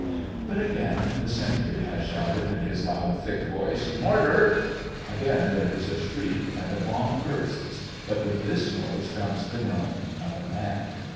But again the sentry has shouted in his loud, thick voice, " Mortar !" again there is a shriek, and a bomb bursts, but with this noise comes the groan of a man.